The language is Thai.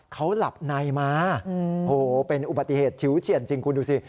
เขาหลับในมาโอ้โหเป็นอุบัติเหตุชิวเฉียนจริงคุณดูสิ